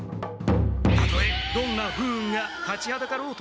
たとえどんな不運が立ちはだかろうとな。